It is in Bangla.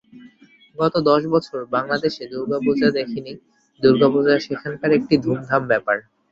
গত দশ বছর বাঙলাদেশে দুর্গাপূজা দেখিনি, দুর্গাপূজা সেখানকার একটি ধুমধাম ব্যাপার।